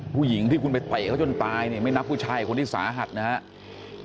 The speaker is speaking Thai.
ผู้หญิงที่คุณไปเตะเขาจนตายเนี่ยไม่นับผู้ชายคนที่สาหัสนะครับ